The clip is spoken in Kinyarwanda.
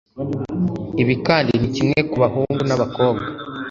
ibi kandi ni kimwe ku bahungu n'abakobwa